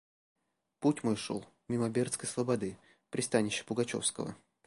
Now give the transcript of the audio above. Путь мой шел мимо Бердской слободы, пристанища пугачевского.